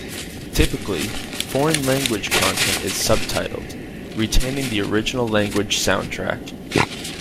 Typically, foreign-language content is subtitled, retaining the original language soundtrack.